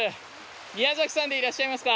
宮崎さんでいらっしゃいますか？